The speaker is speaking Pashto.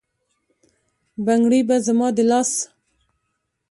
بنګړي به زما د لاس،